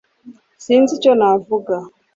sinzi icyo navuga